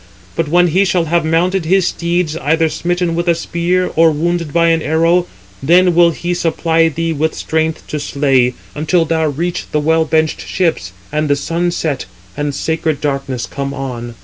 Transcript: But when he shall have mounted his steeds, either smitten with a spear, or wounded by an arrow, then will he supply thee with strength to slay, until thou reach the well benched ships, and the sun set, and sacred darkness come on."